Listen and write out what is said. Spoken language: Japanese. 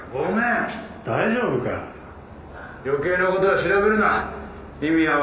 大丈夫か？